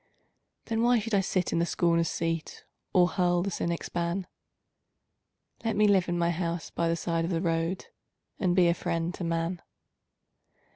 Then why should I sit in the scorner's seat, Or hurl the cynic's ban? Let me live in my house by the side of the road And be a friend to man.